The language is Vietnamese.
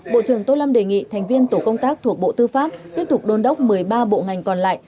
bộ trưởng tô lâm đề nghị thành viên tổ công tác thuộc bộ tư pháp tiếp tục đôn đốc một mươi ba bộ ngành còn lại